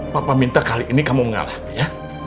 papa minta kali ini kamu ngalah ya